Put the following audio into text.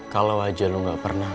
kalau aja lu gak pernah